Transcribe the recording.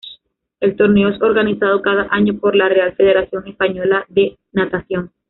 El torneo es organizado cada año por la Real Federación Española de Natación.